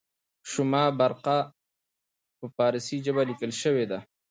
شمه بارقه په پارسي ژبه لیکل شوې ده.